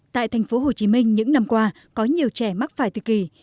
tại thành phố hồ chí minh những năm qua có nhiều trẻ mắc phải tự kỷ